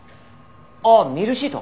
ああミルシート！